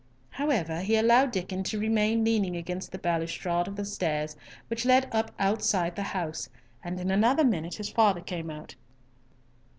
However, he allowed Diccon to remain leaning against the balustrade of the stairs which led up outside the house, and in another minute his father came out.